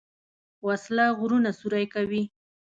وسله غرونه سوری کوي